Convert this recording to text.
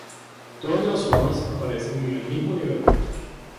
Todas las hojas aparecen al mismo nivel.